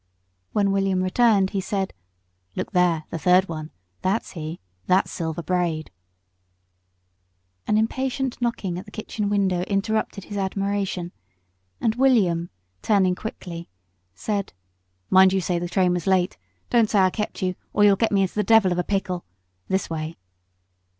When William returned he said, "Look there, the third one; that's he that's Silver Braid." An impatient knocking at the kitchen window interrupted his admiration, and William, turning quickly, said, "Mind you say the train was late; don't say I kept you, or you'll get me into the devil of a pickle. This way."